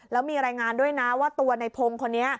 แล้วมีรายงานด้วยนะว่าตัวในพงศ์คนนี้